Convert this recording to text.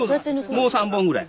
もう３本ぐらい。